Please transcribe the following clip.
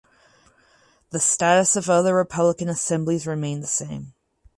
The status of other republican assemblies remained the same.